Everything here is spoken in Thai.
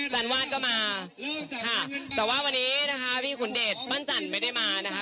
วันวาดก็มาค่ะแต่ว่าวันนี้นะคะพี่ขุนเดชปั้นจันทร์ไม่ได้มานะคะ